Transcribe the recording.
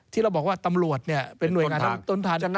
ที่เราบอกว่าตำรวจเนี่ยเป็นหน่วยการสอบสวน